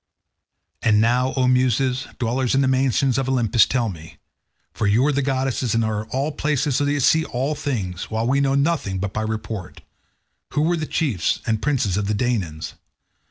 And now, O Muses, dwellers in the mansions of Olympus, tell me—for you are goddesses and are in all places so that you see all things, while we know nothing but by report—who were the chiefs and princes of the Danaans?